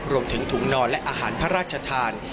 รวมถึงถุงนอนและอาหารพระราชทาน